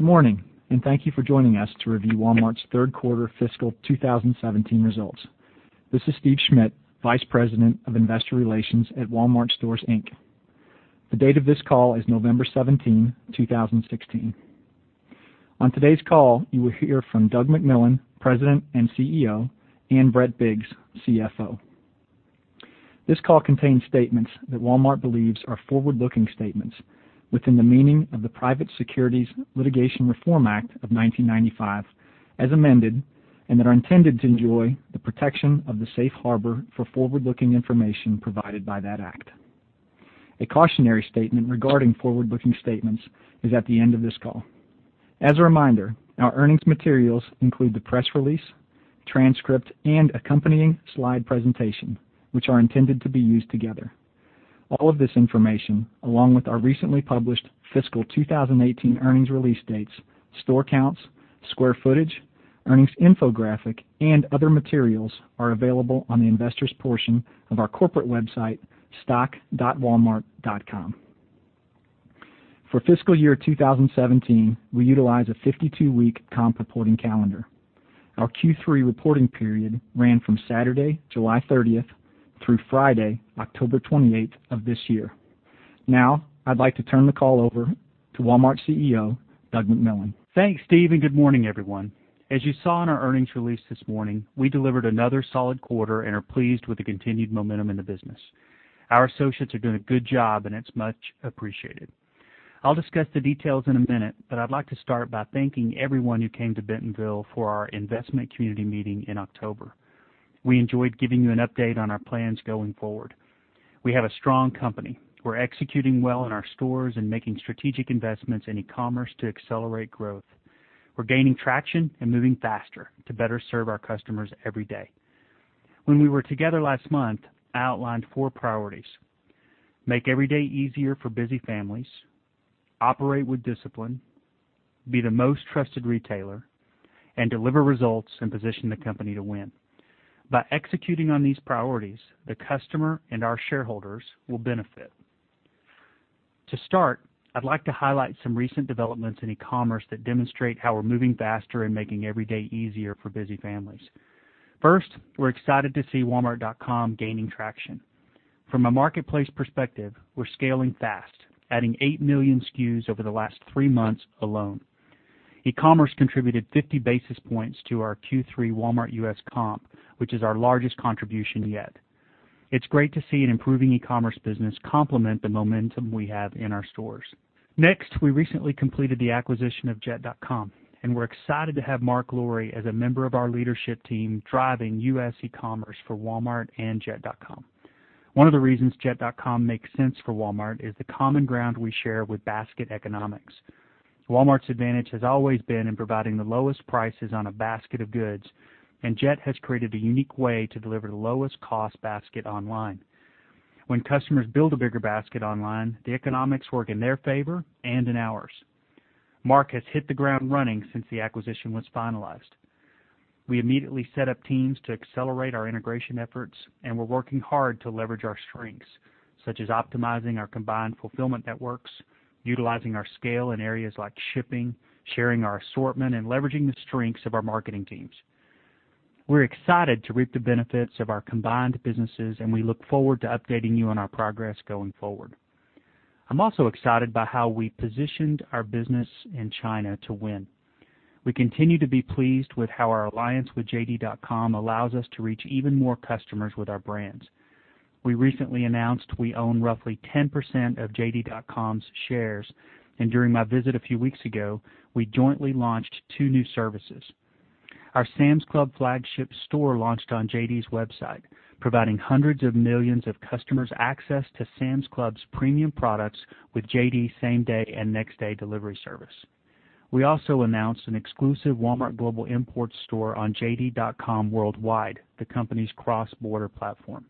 Good morning, and thank you for joining us to review Walmart's third quarter fiscal 2017 results. This is Steve Schmitt, Vice President of Investor Relations at Walmart Stores, Inc. The date of this call is November 17, 2016. On today's call, you will hear from Doug McMillon, President and CEO, and Brett Biggs, CFO. This call contains statements that Walmart believes are forward-looking statements within the meaning of the Private Securities Litigation Reform Act of 1995, as amended, and that are intended to enjoy the protection of the safe harbor for forward-looking information provided by that act. A cautionary statement regarding forward-looking statements is at the end of this call. As a reminder, our earnings materials include the press release, transcript, and accompanying slide presentation, which are intended to be used together. All of this information, along with our recently published fiscal 2018 earnings release dates, store counts, square footage, earnings infographic, and other materials are available on the investors' portion of our corporate website, stock.walmart.com. For fiscal year 2017, we utilize a 52-week comp reporting calendar. Our Q3 reporting period ran from Saturday, July 30th through Friday, October 28th of this year. I'd like to turn the call over to Walmart's CEO, Doug McMillon. Thanks, Steve, and good morning, everyone. As you saw in our earnings release this morning, we delivered another solid quarter and are pleased with the continued momentum in the business. Our associates are doing a good job, and it's much appreciated. I'll discuss the details in a minute, but I'd like to start by thanking everyone who came to Bentonville for our investment community meeting in October. We enjoyed giving you an update on our plans going forward. We have a strong company. We're executing well in our stores and making strategic investments in e-commerce to accelerate growth. We're gaining traction and moving faster to better serve our customers every day. When we were together last month, I outlined four priorities: make every day easier for busy families, operate with discipline, be the most trusted retailer, and deliver results and position the company to win. By executing on these priorities, the customer and our shareholders will benefit. To start, I'd like to highlight some recent developments in e-commerce that demonstrate how we're moving faster and making every day easier for busy families. First, we're excited to see walmart.com gaining traction. From a marketplace perspective, we're scaling fast, adding eight million SKUs over the last three months alone. E-commerce contributed 50 basis points to our Q3 Walmart US comp, which is our largest contribution yet. It's great to see an improving e-commerce business complement the momentum we have in our stores. Next, we recently completed the acquisition of jet.com, and we're excited to have Marc Lore as a member of our leadership team driving U.S. e-commerce for Walmart and jet.com. One of the reasons jet.com makes sense for Walmart is the common ground we share with basket economics. Walmart's advantage has always been in providing the lowest prices on a basket of goods. Jet has created a unique way to deliver the lowest cost basket online. When customers build a bigger basket online, the economics work in their favor and in ours. Marc has hit the ground running since the acquisition was finalized. We immediately set up teams to accelerate our integration efforts. We're working hard to leverage our strengths, such as optimizing our combined fulfillment networks, utilizing our scale in areas like shipping, sharing our assortment, and leveraging the strengths of our marketing teams. We're excited to reap the benefits of our combined businesses. We look forward to updating you on our progress going forward. I'm also excited by how we positioned our business in China to win. We continue to be pleased with how our alliance with JD.com allows us to reach even more customers with our brands. We recently announced we own roughly 10% of JD.com's shares. During my visit a few weeks ago, we jointly launched two new services. Our Sam's Club flagship store launched on JD's website, providing hundreds of millions of customers access to Sam's Club's premium products with JD's same-day and next-day delivery service. We also announced an exclusive Walmart Global Import store on JD.com worldwide, the company's cross-border platform.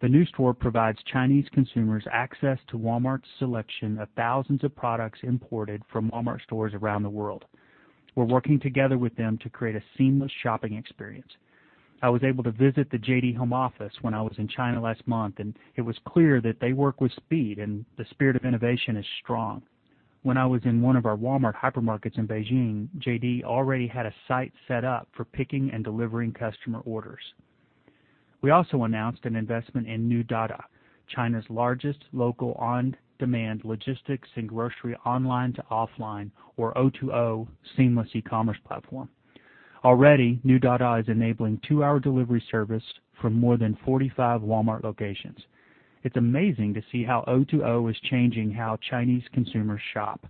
The new store provides Chinese consumers access to Walmart's selection of thousands of products imported from Walmart stores around the world. We're working together with them to create a seamless shopping experience. I was able to visit the JD home office when I was in China last month. It was clear that they work with speed and the spirit of innovation is strong. When I was in one of our Walmart hypermarkets in Beijing, JD already had a site set up for picking and delivering customer orders. We also announced an investment in New Dada, China's largest local on-demand logistics and grocery online-to-offline, or O2O, seamless e-commerce platform. Already, New Dada is enabling two-hour delivery service for more than 45 Walmart locations. It's amazing to see how O2O is changing how Chinese consumers shop.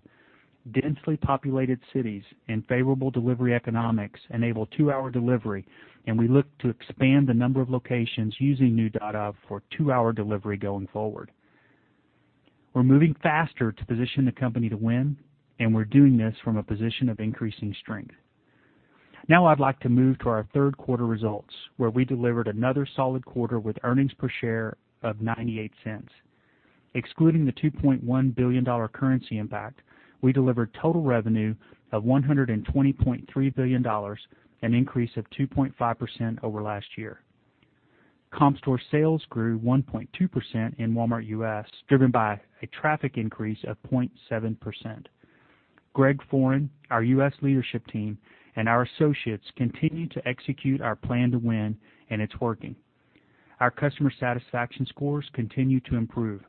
Densely populated cities and favorable delivery economics enable two-hour delivery. We look to expand the number of locations using New Dada for two-hour delivery going forward. We're moving faster to position the company to win. We're doing this from a position of increasing strength. Now I'd like to move to our third-quarter results, where we delivered another solid quarter with earnings per share of $0.98. Excluding the $2.1 billion currency impact, we delivered total revenue of $120.3 billion, an increase of 2.5% over last year. Comp store sales grew 1.2% in Walmart US, driven by a traffic increase of 0.7%. Greg Foran, our US leadership team, and our associates continue to execute our plan to win. It's working. Our customer satisfaction scores continue to improve.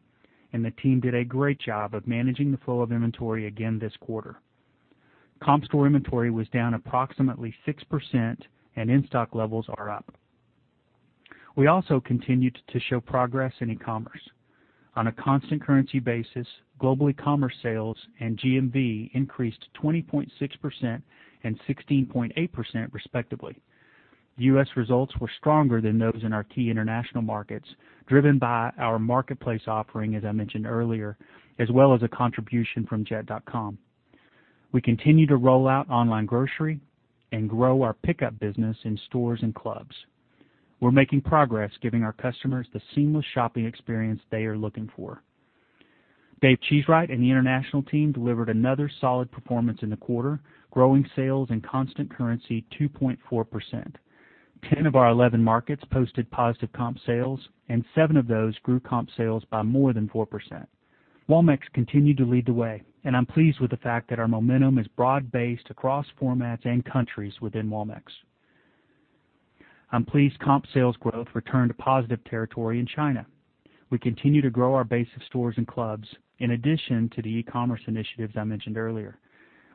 The team did a great job of managing the flow of inventory again this quarter. Comp store inventory was down approximately 6%. In-stock levels are up. We also continued to show progress in e-commerce. On a constant currency basis, global e-commerce sales and GMV increased 20.6% and 16.8% respectively. U.S. results were stronger than those in our key international markets, driven by our marketplace offering, as I mentioned earlier, as well as a contribution from Jet.com. We continue to roll out online grocery and grow our pickup business in stores and clubs. We're making progress giving our customers the seamless shopping experience they are looking for. Dave Cheesewright and the international team delivered another solid performance in the quarter, growing sales in constant currency 2.4%. 10 of our 11 markets posted positive comp sales, and seven of those grew comp sales by more than 4%. Walmex continued to lead the way, and I'm pleased with the fact that our momentum is broad-based across formats and countries within Walmex. I'm pleased comp sales growth returned to positive territory in China. We continue to grow our base of stores and clubs, in addition to the e-commerce initiatives I mentioned earlier.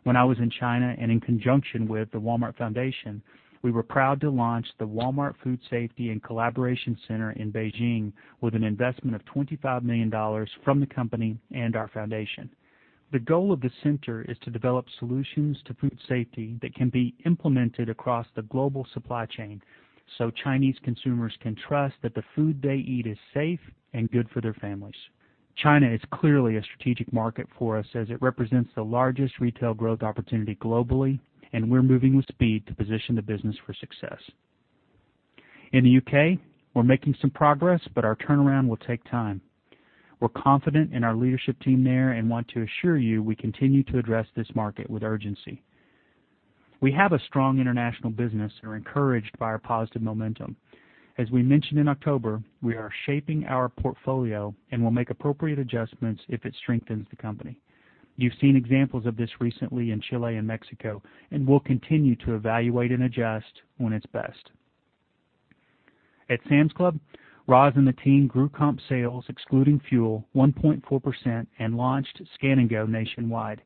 When I was in China and in conjunction with the Walmart Foundation, we were proud to launch the Walmart Food Safety Collaboration Center in Beijing with an investment of $25 million from the company and our foundation. The goal of the center is to develop solutions to food safety that can be implemented across the global supply chain, so Chinese consumers can trust that the food they eat is safe and good for their families. China is clearly a strategic market for us as it represents the largest retail growth opportunity globally, and we're moving with speed to position the business for success. In the U.K., we're making some progress, but our turnaround will take time. We're confident in our leadership team there and want to assure you we continue to address this market with urgency. We have a strong international business and are encouraged by our positive momentum. As we mentioned in October, we are shaping our portfolio and will make appropriate adjustments if it strengthens the company. You've seen examples of this recently in Chile and Mexico, and we'll continue to evaluate and adjust when it's best. At Sam's Club, Roz and the team grew comp sales, excluding fuel, 1.4% and launched Scan & Go nationwide.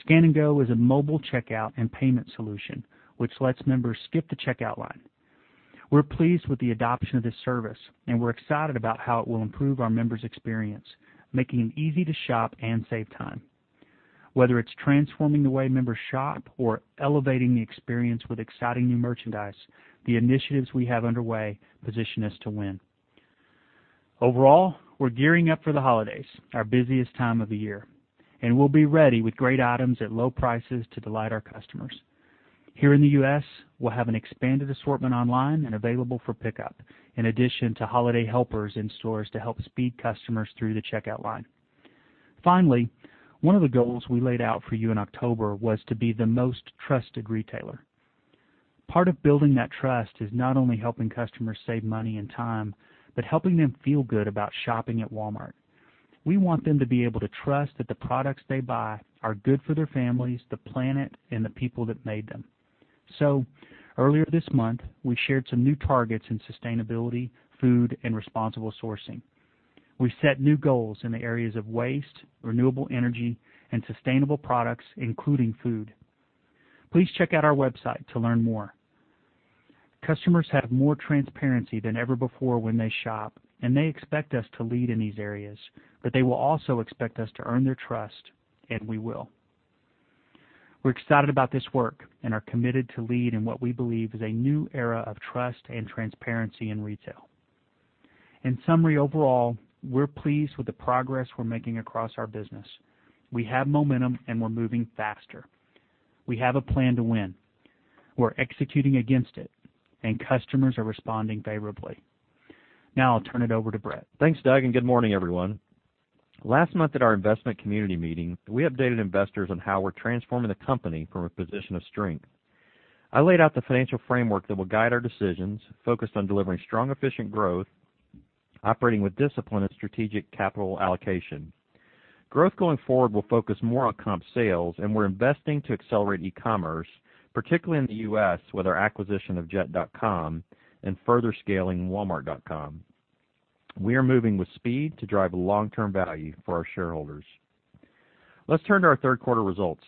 Scan & Go is a mobile checkout and payment solution which lets members skip the checkout line. We're pleased with the adoption of this service, and we're excited about how it will improve our members' experience, making it easy to shop and save time. Whether it's transforming the way members shop or elevating the experience with exciting new merchandise, the initiatives we have underway position us to win. Overall, we're gearing up for the holidays, our busiest time of the year, and we'll be ready with great items at low prices to delight our customers. Here in the U.S., we'll have an expanded assortment online and available for pickup, in addition to holiday helpers in stores to help speed customers through the checkout line. Finally, one of the goals we laid out for you in October was to be the most trusted retailer. Part of building that trust is not only helping customers save money and time, but helping them feel good about shopping at Walmart. We want them to be able to trust that the products they buy are good for their families, the planet, and the people that made them. Earlier this month, we shared some new targets in sustainability, food, and responsible sourcing. We've set new goals in the areas of waste, renewable energy, and sustainable products, including food. Please check out our website to learn more. Customers have more transparency than ever before when they shop. They expect us to lead in these areas, but they will also expect us to earn their trust. We will. We're excited about this work and are committed to lead in what we believe is a new era of trust and transparency in retail. In summary, overall, we're pleased with the progress we're making across our business. We have momentum. We're moving faster. We have a plan to win. We're executing against it. Customers are responding favorably. Now, I'll turn it over to Brett. Thanks, Doug. Good morning, everyone. Last month at our investment community meeting, we updated investors on how we're transforming the company from a position of strength. I laid out the financial framework that will guide our decisions, focused on delivering strong, efficient growth, operating with discipline, strategic capital allocation. Growth going forward will focus more on comp sales. We're investing to accelerate e-commerce, particularly in the U.S. with our acquisition of Jet.com and further scaling walmart.com. We are moving with speed to drive long-term value for our shareholders. Let's turn to our third quarter results.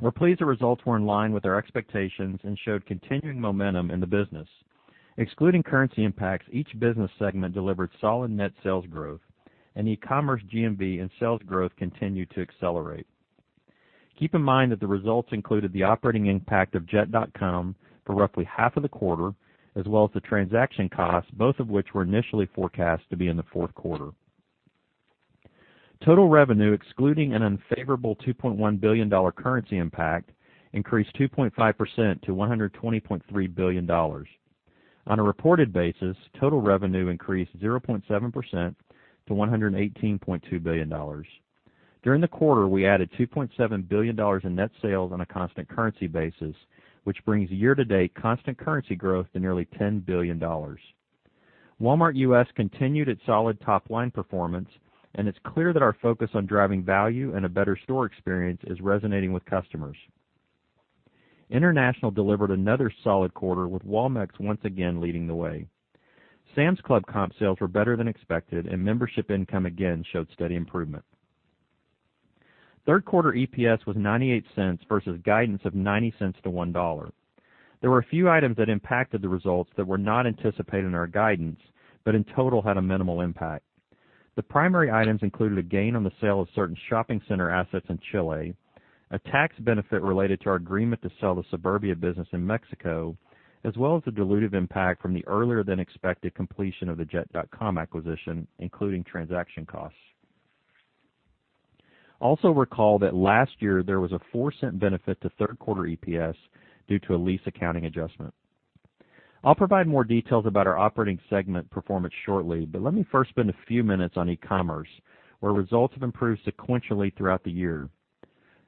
We're pleased the results were in line with our expectations, showed continuing momentum in the business. Excluding currency impacts, each business segment delivered solid net sales growth. E-commerce GMV and sales growth continued to accelerate. Keep in mind that the results included the operating impact of Jet.com for roughly half of the quarter, as well as the transaction cost, both of which were initially forecast to be in the fourth quarter. Total revenue, excluding an unfavorable $2.1 billion currency impact, increased 2.5% to $120.3 billion. On a reported basis, total revenue increased 0.7% to $118.2 billion. During the quarter, we added $2.7 billion in net sales on a constant currency basis, which brings year-to-date constant currency growth to nearly $10 billion. Walmart U.S. continued its solid top-line performance. It's clear that our focus on driving value and a better store experience is resonating with customers. International delivered another solid quarter, with Walmex once again leading the way. Sam's Club comp sales were better than expected. Membership income again showed steady improvement. Third-quarter EPS was $0.98 versus guidance of $0.90 to $1.00. There were a few items that impacted the results that were not anticipated in our guidance, in total, had a minimal impact. The primary items included a gain on the sale of certain shopping center assets in Chile, a tax benefit related to our agreement to sell the Suburbia business in Mexico, as well as the dilutive impact from the earlier-than-expected completion of the Jet.com acquisition, including transaction costs. Also recall that last year there was a $0.04 benefit to third-quarter EPS due to a lease accounting adjustment. I'll provide more details about our operating segment performance shortly, let me first spend a few minutes on e-commerce, where results have improved sequentially throughout the year.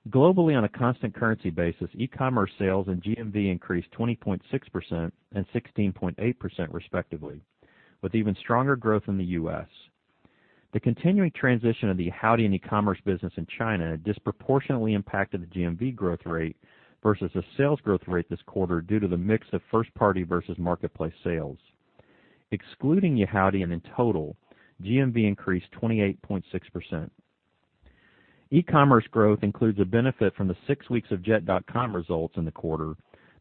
Globally, on a constant currency basis, e-commerce sales and GMV increased 20.6% and 16.8% respectively, with even stronger growth in the U.S. The continuing transition of the Yihaodian and e-commerce business in China disproportionately impacted the GMV growth rate versus the sales growth rate this quarter, due to the mix of first party versus marketplace sales. Excluding Yihaodian and in total, GMV increased 28.6%. E-commerce growth includes a benefit from the six weeks of Jet.com results in the quarter,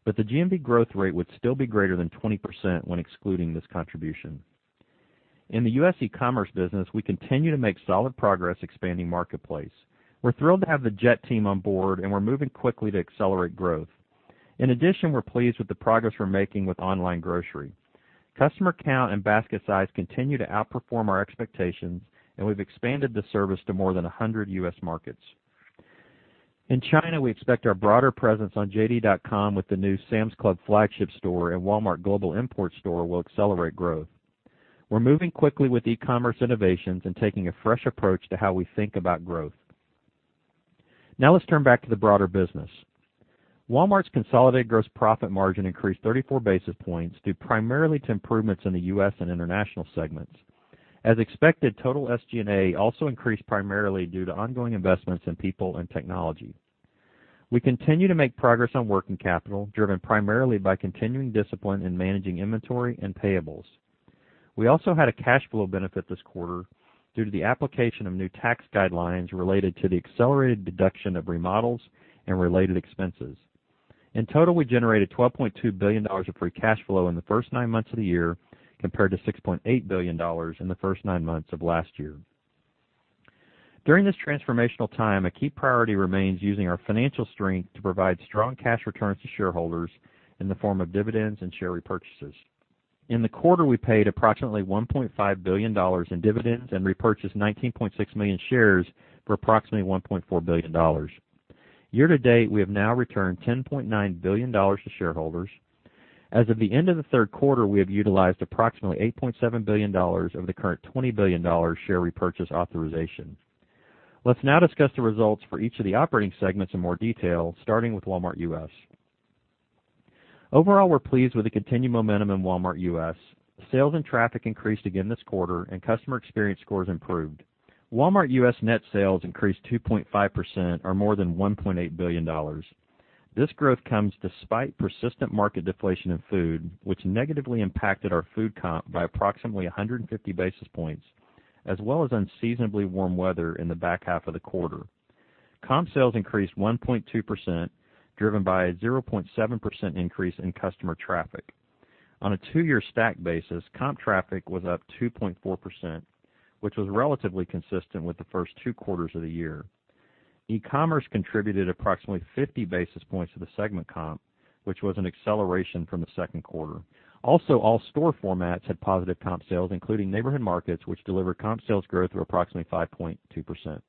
but the GMV growth rate would still be greater than 20% when excluding this contribution. In the U.S. e-commerce business, we continue to make solid progress expanding marketplace. We are thrilled to have the Jet team on board, and we are moving quickly to accelerate growth. In addition, we are pleased with the progress we are making with online grocery. Customer count and basket size continue to outperform our expectations, and we have expanded the service to more than 100 U.S. markets. In China, we expect our broader presence on JD.com with the new Sam's Club flagship store and Walmart Global Import store will accelerate growth. We are moving quickly with e-commerce innovations and taking a fresh approach to how we think about growth. Now let's turn back to the broader business. Walmart's consolidated gross profit margin increased 34 basis points, due primarily to improvements in the U.S. and international segments. As expected, total SG&A also increased primarily due to ongoing investments in people and technology. We continue to make progress on working capital, driven primarily by continuing discipline in managing inventory and payables. We also had a cash flow benefit this quarter due to the application of new tax guidelines related to the accelerated deduction of remodels and related expenses. In total, we generated $12.2 billion of free cash flow in the first nine months of the year, compared to $6.8 billion in the first nine months of last year. During this transformational time, a key priority remains using our financial strength to provide strong cash returns to shareholders in the form of dividends and share repurchases. In the quarter, we paid approximately $1.5 billion in dividends and repurchased 19.6 million shares for approximately $1.4 billion. Year-to-date, we have now returned $10.9 billion to shareholders. As of the end of the third quarter, we have utilized approximately $8.7 billion of the current $20 billion share repurchase authorization. Let's now discuss the results for each of the operating segments in more detail, starting with Walmart U.S. Overall, we are pleased with the continued momentum in Walmart U.S. Sales and traffic increased again this quarter and customer experience scores improved. Walmart U.S. net sales increased 2.5%, or more than $1.8 billion. This growth comes despite persistent market deflation of food, which negatively impacted our food comp by approximately 150 basis points, as well as unseasonably warm weather in the back half of the quarter. Comp sales increased 1.2%, driven by a 0.7% increase in customer traffic. On a two-year stack basis, comp traffic was up 2.4%, which was relatively consistent with the first two quarters of the year. E-commerce contributed approximately 50 basis points to the segment comp, which was an acceleration from the second quarter. Also, all store formats had positive comp sales, including Neighborhood Markets, which delivered comp sales growth of approximately 5.2%.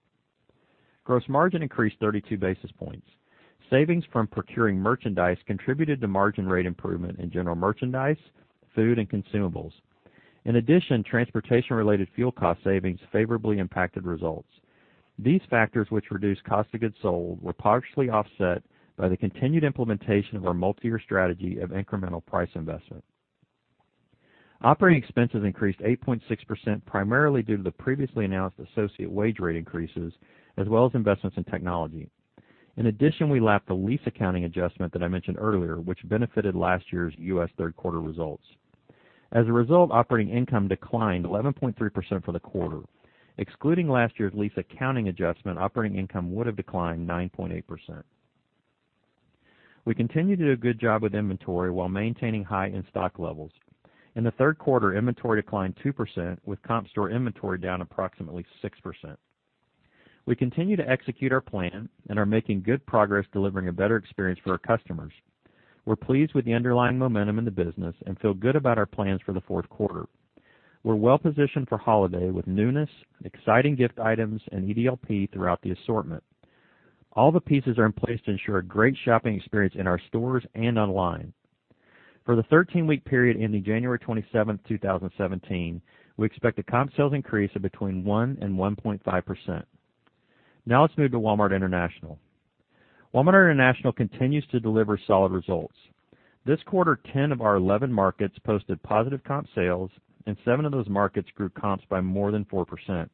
Gross margin increased 32 basis points. Savings from procuring merchandise contributed to margin rate improvement in general merchandise, food, and consumables. In addition, transportation-related fuel cost savings favorably impacted results. These factors, which reduced cost of goods sold, were partially offset by the continued implementation of our multi-year strategy of incremental price investment. Operating expenses increased 8.6%, primarily due to the previously announced associate wage rate increases, as well as investments in technology. In addition, we lapped the lease accounting adjustment that I mentioned earlier, which benefited last year's U.S. third quarter results. As a result, operating income declined 11.3% for the quarter. Excluding last year's lease accounting adjustment, operating income would have declined 9.8%. We continue to do a good job with inventory while maintaining high in-stock levels. In the third quarter, inventory declined 2%, with comp store inventory down approximately 6%. We continue to execute our plan and are making good progress delivering a better experience for our customers. We're pleased with the underlying momentum in the business and feel good about our plans for the fourth quarter. We're well positioned for holiday with newness, exciting gift items, EDLP throughout the assortment. All the pieces are in place to ensure a great shopping experience in our stores and online. For the 13-week period ending January 27, 2017, we expect a comp sales increase of between 1% and 1.5%. Let's move to Walmart International. Walmart International continues to deliver solid results. This quarter, 10 of our 11 markets posted positive comp sales, and seven of those markets grew comps by more than 4%.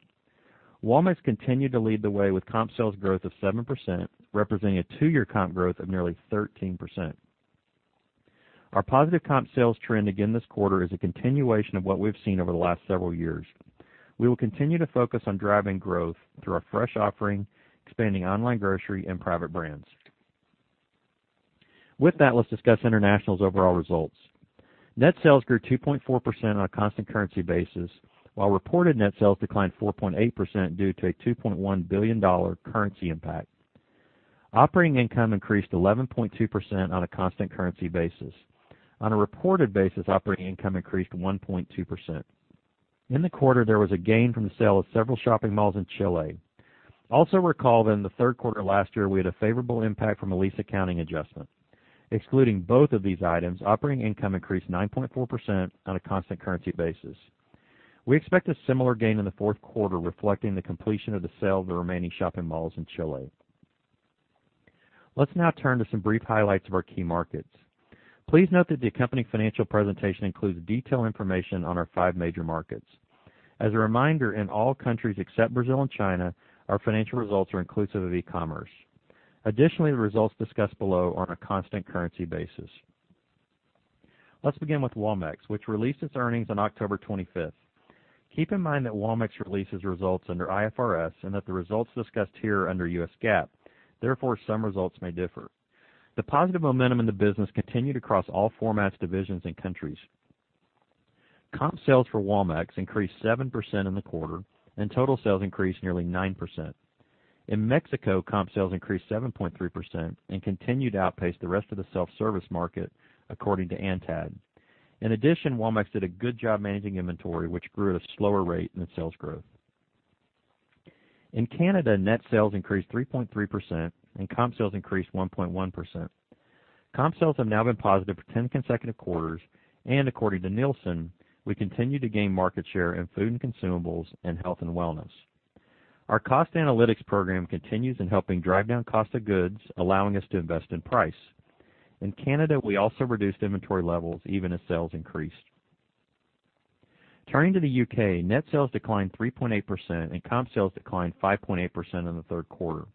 Walmex continued to lead the way with comp sales growth of 7%, representing a two-year comp growth of nearly 13%. Our positive comp sales trend again this quarter is a continuation of what we've seen over the last several years. We will continue to focus on driving growth through our fresh offering, expanding online grocery, and private brands. With that, let's discuss International's overall results. Net sales grew 2.4% on a constant currency basis, while reported net sales declined 4.8% due to a $2.1 billion currency impact. Operating income increased 11.2% on a constant currency basis. On a reported basis, operating income increased 1.2%. In the quarter, there was a gain from the sale of several shopping malls in Chile. Also recall that in the third quarter of last year, we had a favorable impact from a lease accounting adjustment. Excluding both of these items, operating income increased 9.4% on a constant currency basis. We expect a similar gain in the fourth quarter, reflecting the completion of the sale of the remaining shopping malls in Chile. Let's now turn to some brief highlights of our key markets. Please note that the accompanying financial presentation includes detailed information on our five major markets. As a reminder, in all countries except Brazil and China, our financial results are inclusive of e-commerce. Additionally, the results discussed below are on a constant currency basis. Let's begin with Walmex, which released its earnings on October 25th. Keep in mind that Walmex releases results under IFRS and that the results discussed here are under U.S. GAAP, therefore, some results may differ. The positive momentum in the business continued across all formats, divisions, and countries. Comp sales for Walmex increased 7% in the quarter, and total sales increased nearly 9%. In Mexico, comp sales increased 7.3% and continued to outpace the rest of the self-service market, according to ANTAD. In addition, Walmex did a good job managing inventory, which grew at a slower rate than its sales growth. In Canada, net sales increased 3.3% and comp sales increased 1.1%. Comp sales have now been positive for 10 consecutive quarters. According to Nielsen, we continue to gain market share in food and consumables and health and wellness. Our cost analytics program continues in helping drive down cost of goods, allowing us to invest in price. In Canada, we also reduced inventory levels even as sales increased. Turning to the U.K., net sales declined 3.8% and comp sales declined 5.8% in the third quarter.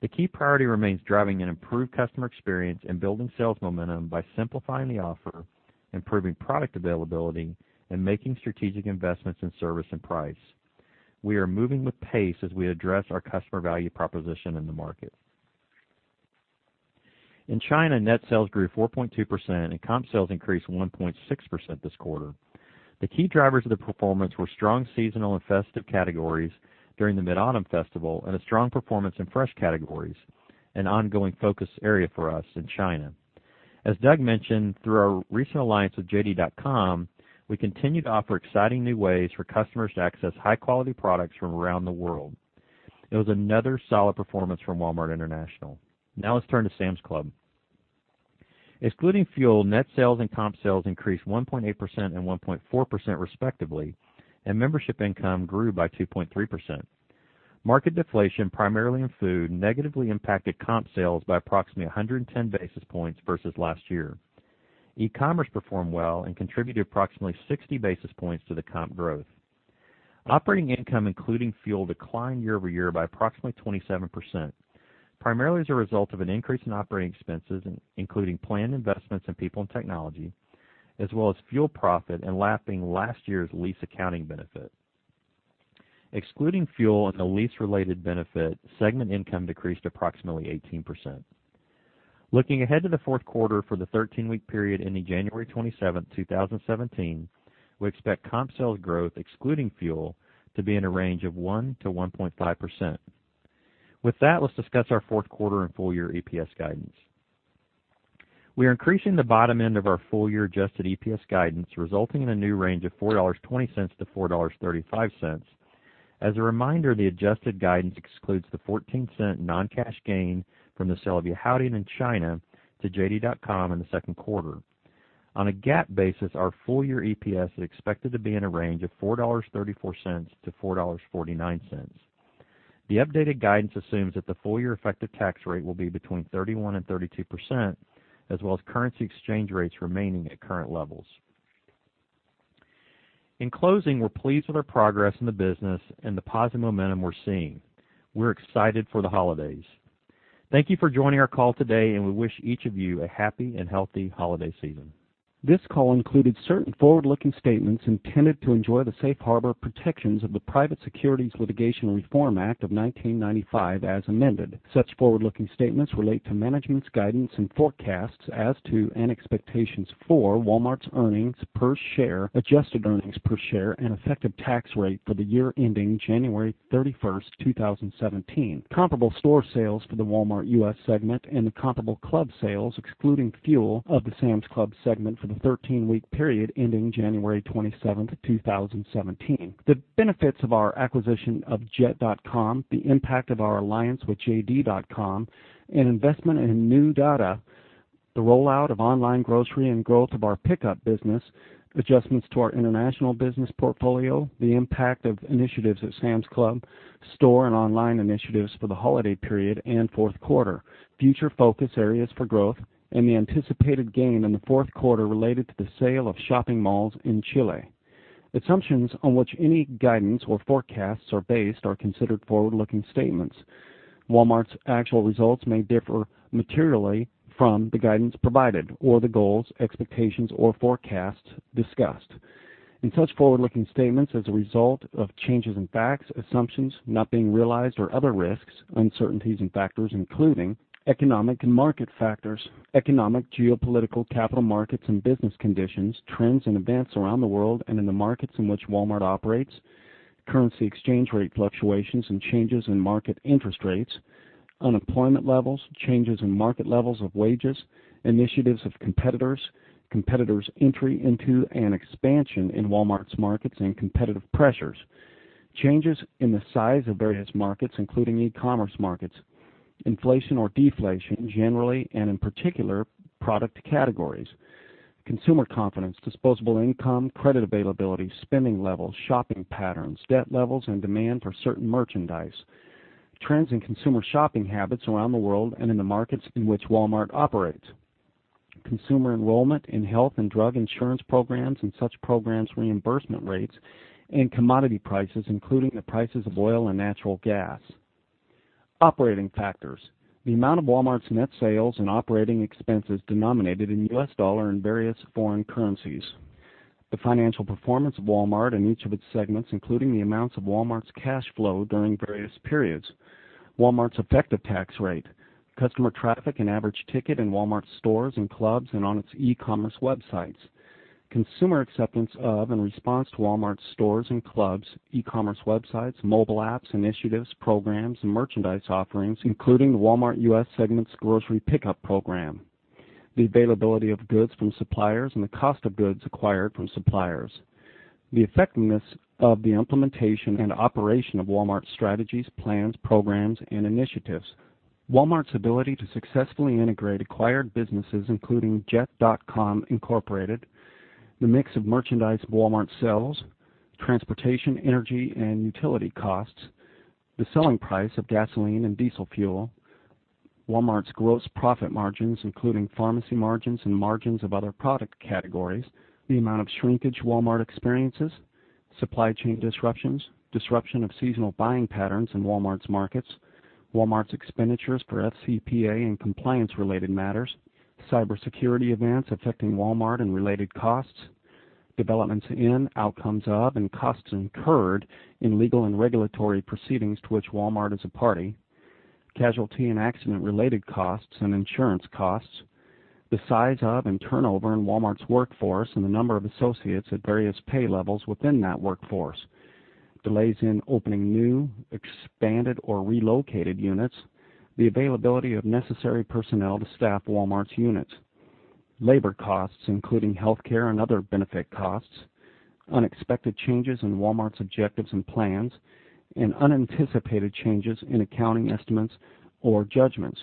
The key priority remains driving an improved customer experience and building sales momentum by simplifying the offer, improving product availability, and making strategic investments in service and price. We are moving with pace as we address our customer value proposition in the market. In China, net sales grew 4.2% and comp sales increased 1.6% this quarter. The key drivers of the performance were strong seasonal and festive categories during the Mid-Autumn Festival and a strong performance in fresh categories, an ongoing focus area for us in China. As Doug mentioned, through our recent alliance with JD.com, we continue to offer exciting new ways for customers to access high-quality products from around the world. It was another solid performance from Walmart International. Let's turn to Sam's Club. Excluding fuel, net sales and comp sales increased 1.8% and 1.4% respectively, and membership income grew by 2.3%. Market deflation, primarily in food, negatively impacted comp sales by approximately 110 basis points versus last year. E-commerce performed well and contributed approximately 60 basis points to the comp growth. Operating income, including fuel, declined year-over-year by approximately 27%, primarily as a result of an increase in operating expenses, including planned investments in people and technology, as well as fuel profit and lapping last year's lease accounting benefit. Excluding fuel and the lease-related benefit, segment income decreased approximately 18%. Looking ahead to the fourth quarter for the 13-week period ending January 27, 2017, we expect comp sales growth, excluding fuel, to be in a range of 1%-1.5%. With that, let's discuss our fourth quarter and full-year EPS guidance. We are increasing the bottom end of our full-year adjusted EPS guidance, resulting in a new range of $4.20-$4.35. As a reminder, the adjusted guidance excludes the $0.14 non-cash gain from the sale of Yihaodian in China to JD.com in the second quarter. On a GAAP basis, our full-year EPS is expected to be in a range of $4.34-$4.49. The updated guidance assumes that the full-year effective tax rate will be between 31%-32%, as well as currency exchange rates remaining at current levels. In closing, we're pleased with our progress in the business and the positive momentum we're seeing. We're excited for the holidays. Thank you for joining our call today, and we wish each of you a happy and healthy holiday season. This call included certain forward-looking statements intended to enjoy the safe harbor protections of the Private Securities Litigation Reform Act of 1995 as amended. Such forward-looking statements relate to management's guidance and forecasts as to, and expectations for, Walmart's earnings per share, adjusted earnings per share, and effective tax rate for the year ending January 31st, 2017. Comparable store sales for the Walmart US segment and the comparable club sales, excluding fuel, of the Sam's Club segment for the 13-week period ending January 27th, 2017. The benefits of our acquisition of Jet.com, the impact of our alliance with JD.com, and investment in New Dada The rollout of online grocery and growth of our Pickup business, adjustments to our international business portfolio, the impact of initiatives at Sam's Club, store and online initiatives for the holiday period and fourth quarter, future focus areas for growth, and the anticipated gain in the fourth quarter related to the sale of shopping malls in Chile. Assumptions on which any guidance or forecasts are based are considered forward-looking statements. Walmart's actual results may differ materially from the guidance provided or the goals, expectations, or forecasts discussed. In such forward-looking statements as a result of changes in facts, assumptions not being realized or other risks, uncertainties in factors including economic and market factors, economic, geopolitical, capital markets and business conditions, trends and events around the world and in the markets in which Walmart operates, currency exchange rate fluctuations and changes in market interest rates, unemployment levels, changes in market levels of wages, initiatives of competitors' entry into an expansion in Walmart's markets and competitive pressures, changes in the size of various markets, including e-commerce markets, inflation or deflation, generally and in particular, product categories, consumer confidence, disposable income, credit availability, spending levels, shopping patterns, debt levels, and demand for certain merchandise, trends in consumer shopping habits around the world and in the markets in which Walmart operates, consumer enrollment in health and drug insurance programs and such programs' reimbursement rates, and commodity prices, including the prices of oil and natural gas. Operating factors. The amount of Walmart's net sales and operating expenses denominated in U.S. dollar and various foreign currencies. The financial performance of Walmart and each of its segments, including the amounts of Walmart's cash flow during various periods. Walmart's effective tax rate, customer traffic, and average ticket in Walmart stores and clubs and on its e-commerce websites. Consumer acceptance of and response to Walmart stores and clubs, e-commerce websites, mobile apps, initiatives, programs, and merchandise offerings, including the Walmart US segment's grocery Pickup program, the availability of goods from suppliers, and the cost of goods acquired from suppliers. The effectiveness of the implementation and operation of Walmart's strategies, plans, programs, and initiatives. Walmart's ability to successfully integrate acquired businesses, including Jet.com, Inc., the mix of merchandise Walmart sells, transportation, energy, and utility costs, the selling price of gasoline and diesel fuel, Walmart's gross profit margins, including pharmacy margins and margins of other product categories, the amount of shrinkage Walmart experiences, supply chain disruptions, disruption of seasonal buying patterns in Walmart's markets, Walmart's expenditures for FCPA and compliance-related matters, cybersecurity events affecting Walmart and related costs, developments in, outcomes of, and costs incurred in legal and regulatory proceedings to which Walmart is a party, casualty and accident-related costs and insurance costs, the size of and turnover in Walmart's workforce, and the number of associates at various pay levels within that workforce, delays in opening new, expanded, or relocated units, the availability of necessary personnel to staff Walmart's units, labor costs, including healthcare and other benefit costs, unexpected changes in Walmart's objectives and plans, and unanticipated changes in accounting estimates or judgments.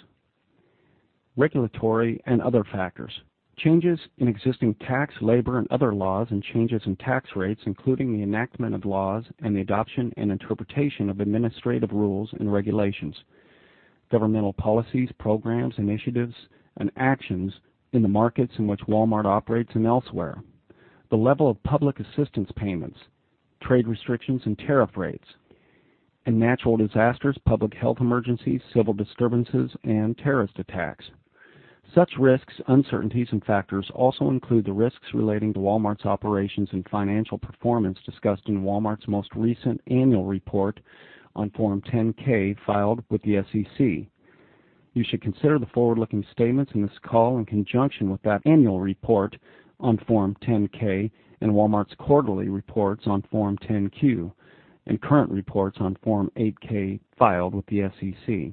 Regulatory and other factors. Changes in existing tax, labor, and other laws and changes in tax rates, including the enactment of laws and the adoption and interpretation of administrative rules and regulations, governmental policies, programs, initiatives, and actions in the markets in which Walmart operates and elsewhere. The level of public assistance payments, trade restrictions and tariff rates, and natural disasters, public health emergencies, civil disturbances, and terrorist attacks. Such risks, uncertainties, and factors also include the risks relating to Walmart's operations and financial performance discussed in Walmart's most recent annual report on Form 10-K filed with the SEC. You should consider the forward-looking statements in this call in conjunction with that annual report on Form 10-K and Walmart's quarterly reports on Form 10-Q and current reports on Form 8-K filed with the SEC.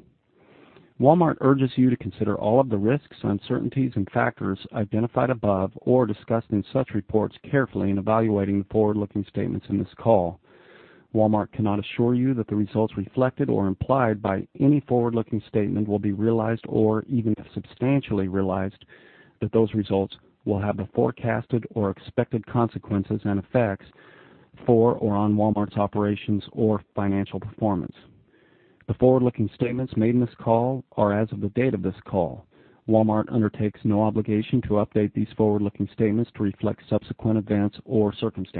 Walmart urges you to consider all of the risks, uncertainties, and factors identified above or discussed in such reports carefully in evaluating the forward-looking statements in this call. Walmart cannot assure you that the results reflected or implied by any forward-looking statement will be realized or, even if substantially realized, that those results will have the forecasted or expected consequences and effects for or on Walmart's operations or financial performance. The forward-looking statements made in this call are as of the date of this call. Walmart undertakes no obligation to update these forward-looking statements to reflect subsequent events or circumstances.